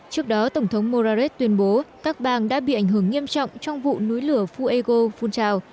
trước đó tổng thống morales tuyên bố các bang đã bị ảnh hưởng nghiêm trọng trong vụ núi lửa fuego phun trào